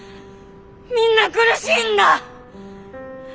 みんな苦しいんだ！